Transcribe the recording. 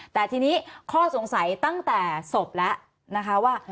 แต่ทีนี้ข้อสงสัยตั้งแต่ศพแล้วนะคะว่า